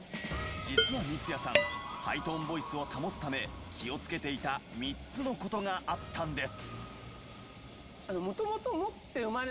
実は三ツ矢さんハイトーンボイスを保つため気を付けていた３つの事があったんです。